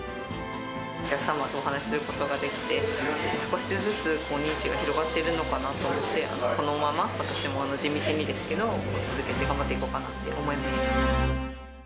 お客様とお話しすることができて、少しずつ認知が広がってるのかなと思って、このまま私も地道にですけど、続けて頑張っていこうかなと思いました。